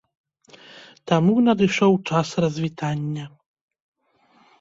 Таму надышоў час развітання.